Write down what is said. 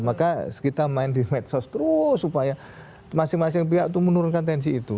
maka kita main di medsos terus supaya masing masing pihak itu menurunkan tensi itu